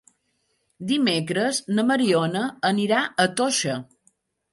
Dimecres na Mariona anirà a Toixa.